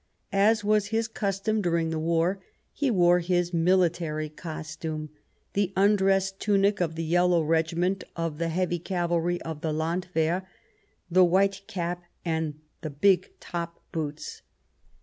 As was his custom during the war, he wore his military costume — the undress tunic of the Yellow Regiment of the Heavy Cavalry of the Landwehr, the white cap, and the big top boots.